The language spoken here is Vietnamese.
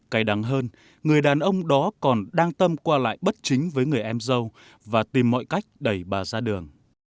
cái đáng hơn người đàn ông đó còn đang tâm qua lại bất chính với người em dâu và tìm mọi cách đẩy bà ra đường